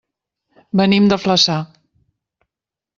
Venim de Flaçà.